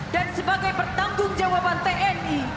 dan sebagai bertanggung jawaban tni